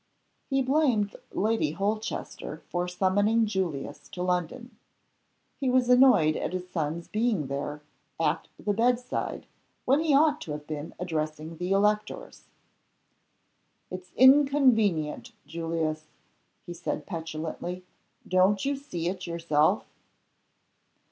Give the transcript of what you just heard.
He blamed Lady Holchester for summoning Julius to London. He was annoyed at his son's being there, at the bedside, when he ought to have been addressing the electors. "It's inconvenient, Julius," he said, petulantly. "Don't you see it yourself?"